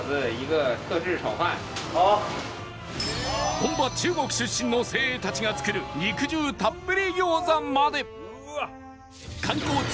本場中国出身の精鋭たちが作る肉汁たっぷり餃子まで